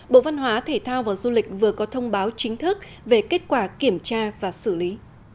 bộ văn hóa thể thao và du lịch vừa có thông báo chính thức về kết quả kiểm tra và xử lý